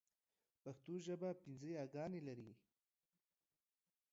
پښتو ژبه پینځه یاګانې لري: ی، ي، ئ، ې او ۍ